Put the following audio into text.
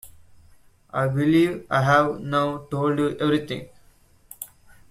I believe I have now told you every thing.